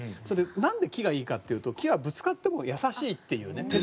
それでなんで木がいいかっていうと木はぶつかっても優しいっていうね。